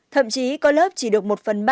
thậm chí có lớp chỉ được một phần ba